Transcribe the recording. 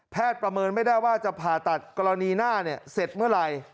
ประเมินไม่ได้ว่าจะผ่าตัดกรณีหน้าเสร็จเมื่อไหร่